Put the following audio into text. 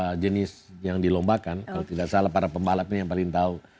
ada jenis yang dilombakan kalau tidak salah para pembalap ini yang paling tahu